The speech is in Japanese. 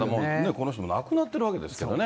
この人もう亡くなってるわけですからね。